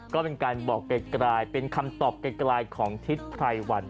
ก็เป็นการบอกไกลเป็นคำตอบไกลของทิศไพรวัน